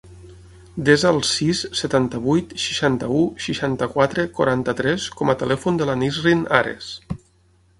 Desa el sis, setanta-vuit, seixanta-u, seixanta-quatre, quaranta-tres com a telèfon de la Nisrin Ares.